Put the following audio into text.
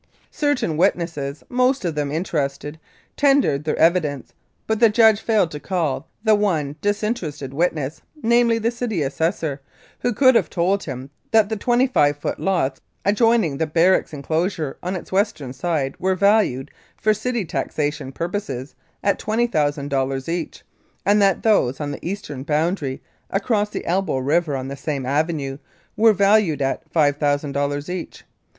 Certain witnesses, most of them interested, tendered their evidence, but the judge failed to call the one disinterested witness, namely, the city assessor, who could have told him that the 25 foot lots adjoining the barracks enclosure on its western side were valued, for city taxation purposes, at $20,000 each, and that those on the eastern boundary, across the Elbow River, on the same avenue, were valued at $5,000 each.